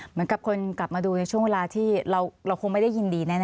เหมือนกับคนกลับมาดูในช่วงเวลาที่เราคงไม่ได้ยินดีแน่